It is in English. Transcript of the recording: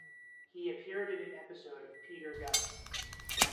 He appeared in an episode of Peter Gunn.